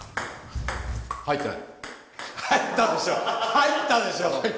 入ったでしょ